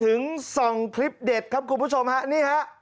ถึงส่องคลิปเด็ดครับคุณผู้ชมฮะนี่ฮะ